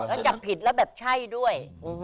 แล้วจับผิดแล้วแบบใช่ด้วย